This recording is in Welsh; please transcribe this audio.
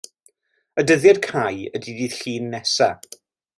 Y dyddiad cau ydi dydd Llun nesa'.